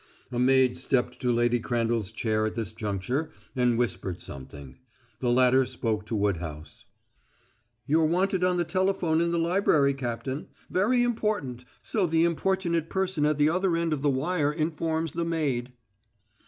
A maid stepped to Lady Crandall's chair at this juncture and whispered something. The latter spoke to Woodhouse: "You're wanted on the telephone in the library, Captain. Very important, so the importunate person at the other end of the wire informs the maid."